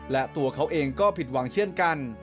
และตัวเขาเองก็ผิดหวังเช่นกัน